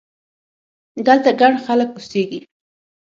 دلته ګڼ خلک اوسېږي!